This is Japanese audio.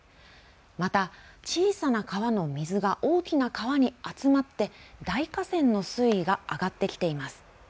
また小さな川の水が大きな川に集まって大河川の水位が上がってきています。